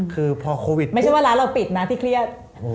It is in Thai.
คือพอโควิดไม่ใช่ว่าร้านเราปิดนะที่เครียด